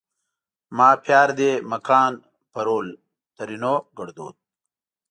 ما پیار دې مکان پرول؛ ترينو کړدود